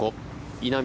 稲見